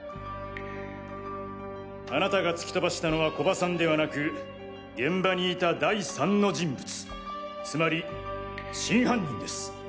あなたが突き飛ばしたのは古葉さんではなく現場に居た第３の人物つまり真犯人です！